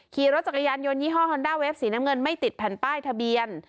ขี่รถจักรยานยนต์ยี่ห้อฮอนด้าเวฟสีน้ำเงินไม่ติดแผ่นป้ายทะเบียน